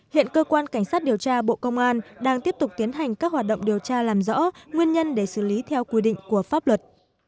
hiện cơ quan cảnh sát điều tra bộ công an đang tiếp tục tiến hành các hoạt động điều tra làm rõ nguyên nhân để xử lý theo quy định của pháp luật